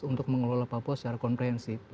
untuk mengelola papua secara komprehensif